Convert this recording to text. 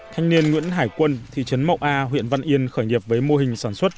thanh niên nguyễn hải quân thị trấn mậu a huyện văn yên khởi nghiệp với mô hình sản xuất